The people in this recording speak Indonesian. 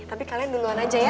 tapi kalian duluan aja ya